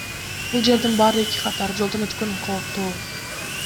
Бул жердин баары эки катар, жолдон өткөн кооптуу.